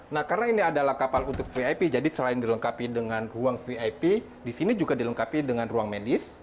nah karena ini adalah kapal untuk vip jadi selain dilengkapi dengan ruang vip disini juga dilengkapi dengan ruang medis